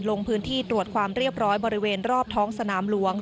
ลงพื้นที่ตรวจความเรียบร้อยบริเวณรอบท้องสนามหลวง